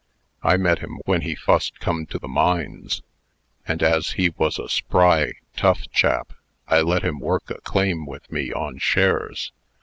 I met him when he fust come to the mines, and, as he was a spry, tough chap, I let him work a claim with me on shares.